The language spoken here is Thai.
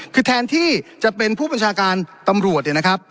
คือแทนที่จะเป็นผู้บัญชาการตำรวจ